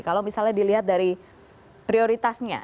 kalau misalnya dilihat dari prioritasnya